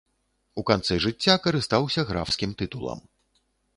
У канцы жыцця карыстаўся графскім тытулам.